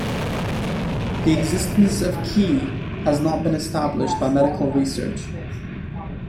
The existence of qi has not been established by medical research.